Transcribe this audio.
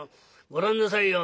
ご覧なさいよ。